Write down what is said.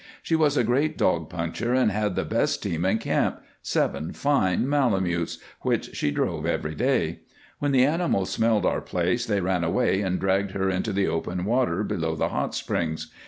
She was a great dog puncher and had the best team in camp seven fine malamoots which she drove every day. When the animals smelled our place they ran away and dragged her into the open water below the hot springs.